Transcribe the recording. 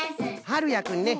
はるやくんね。